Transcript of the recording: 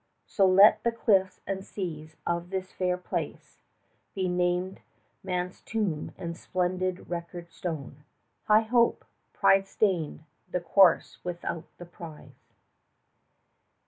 So let the cliffs and seas of this fair place Be named man's tomb and splendid record stone, High hope, pride stained, the course without the prize.